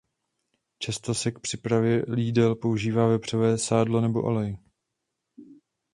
Často se k přípravě jídel používá vepřové sádlo nebo olej.